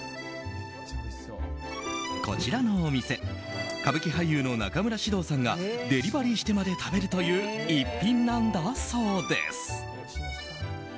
こちらのお店歌舞伎俳優の中村獅童さんがデリバリーしてまで食べるという一品なんだそうです。